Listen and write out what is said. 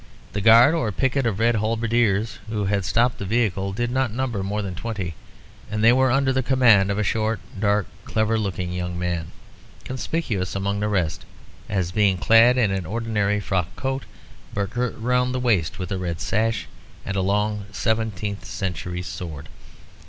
The guard or picket of red halberdiers who had stopped the vehicle did not number more than twenty, and they were under the command of a short, dark, clever looking young man, conspicuous among the rest as being clad in an ordinary frock coat, but girt round the waist with a red sash and a long seventeenth century sword.